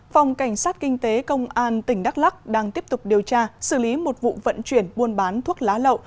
phòng cảnh sát kinh tế công an tỉnh đắk lắc đang tiếp tục điều tra xử lý một vụ vận chuyển buôn bán thuốc lá lậu